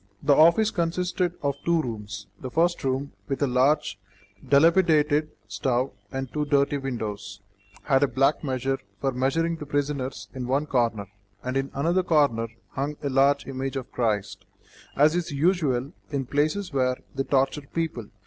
The office consisted of two rooms. The first room, with a large, dilapidated stove and two dirty windows, had a black measure for measuring the prisoners in one corner, and in another corner hung a large image of Christ, as is usual in places where they torture people.